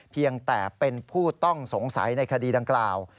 เพียงแต่เป็นผู้ต้องสงสัยในคดีดังกล่าว